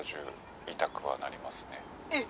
「えっ！